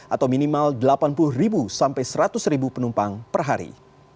atau minimal delapan puluh sampai seratus penumpang per hari